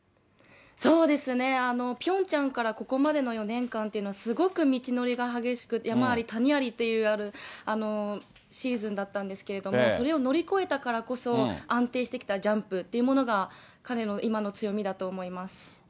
そうですね、ピョンチャンからここまでの４年間っていうのはすごく道のりが激しくて、山あり谷ありっていうシーズンだったんですけれども、それを乗り越えたからこそ、安定してきたジャンプっていうものが、彼の今の強みだと思います。